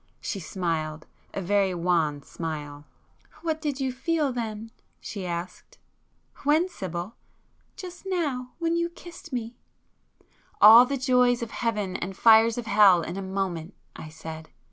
She smiled,—a very wan smile. "What did you feel then?" she asked. "When, Sibyl?" "Just now,—when you kissed me?" "All the joys of heaven and fires of hell in a moment!" I said.